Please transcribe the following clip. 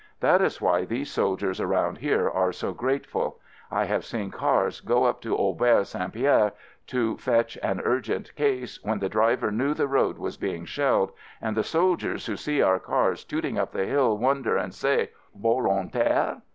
That is why these soldiers around here are so grateful. I have seen cars go up to Auberge St. Pierre to fetch an urgent case when the driver knew the road was being shelled, and the soldiers who see our cars tooting up the hill, wonder — and say, "Volontaires?"